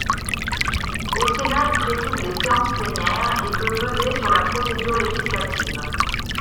Au Sénat, il préside les séances plénières et peut peser sur la procédure législative.